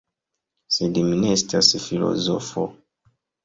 Sed mi ne estas filozofo.